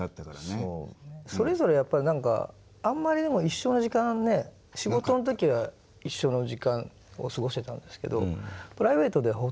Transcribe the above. それぞれやっぱり何かあんまりでも一緒な時間ね仕事の時は一緒の時間を過ごしてたんですけどプライベートではほとんど。